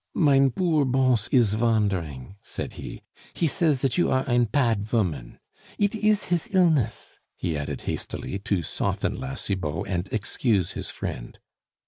"Mein boor Bons in vandering," said he; "he says dat you are ein pad voman. It ees his illness," he added hastily, to soften La Cibot and excuse his friend.